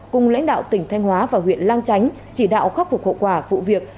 cùng lãnh đạo tỉnh thanh hóa và huyện lang chánh chỉ đạo khắc phục hậu quả vụ việc